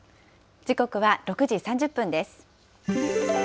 時刻は６時３０分です。